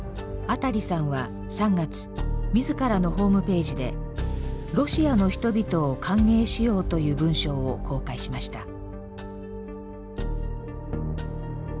アタリさんは３月自らのホームページで「ロシアの人々を歓迎しよう」という文章を公開しました。